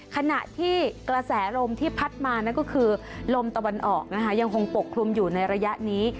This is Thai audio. ขณะที่กระแสลมที่พัดมานั่นก็คือลมตะวันออกนะคะยังคงปกคลุมอยู่ในระยะนี้